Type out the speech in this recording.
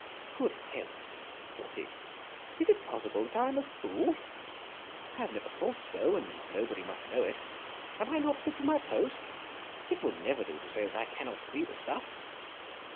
" Good heavens! " thought he, "is it possible that I am a fool. I have never thought so, and nobody must know it. Am I not fit for my post ? It will never do to say that I cannot see the stuffs."